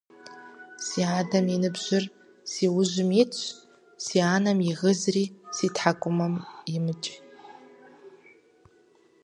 Си адэм и ныбжьыр си ужьым итщ, си анэм и гызри си тхьэкӏумэм имыкӏ.